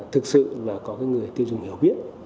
thực sự là có cái người tiêu dùng hiểu biết